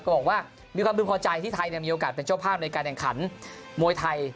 บอกว่ามีความพึงพอใจที่ไทยมีโอกาสเป็นเจ้าภาพในการแข่งขันมวยไทย